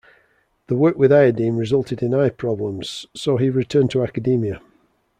The work with iodine resulted in eye problems, so he returned to academia.